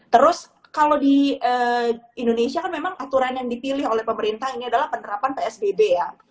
terus kalau di indonesia kan memang aturan yang dipilih oleh pemerintah ini adalah penerapan psbb ya